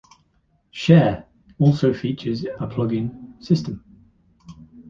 "Share" also features a plugin system.